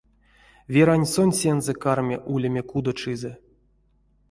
Верань сонсензэ карми улеме кудочизэ.